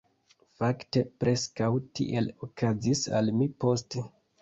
Fakte, preskaŭ tiel okazis al mi poste.